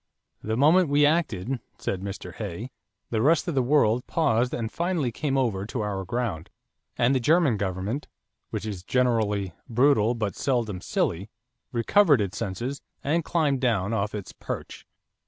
"The moment we acted," said Mr. Hay, "the rest of the world paused and finally came over to our ground; and the German government, which is generally brutal but seldom silly, recovered its senses, and climbed down off its perch."